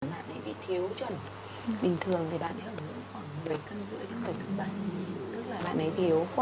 bạn ấy bị thiếu chuẩn bình thường thì bạn ấy có khoảng bảy cân giữa các loại tiêu hóa